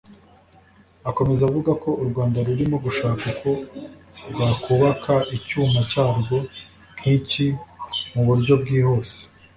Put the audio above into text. Akomeza avuga ko u Rwanda rurimo gushaka uko rwakubaka icyuma cyarwo nk’iki mu buryo bwihuse